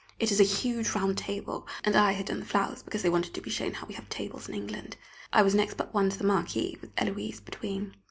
It is a huge round table, and I had done the flowers, because they wanted to be shown how we have tables in England. I was next but one to the Marquis, with Héloise between.